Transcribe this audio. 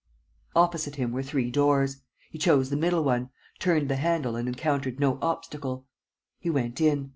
..." Opposite him were three doors. He chose the middle one, turned the handle and encountered no obstacle. He went in.